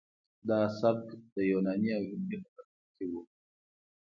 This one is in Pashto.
دا سبک د یوناني او هندي هنر ترکیب و